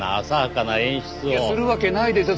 するわけないでしょ